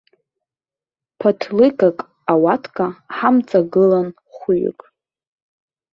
Ԥатлыкак ауатка ҳамҵагылан хәҩык.